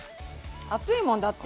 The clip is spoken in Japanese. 暑いもんだって。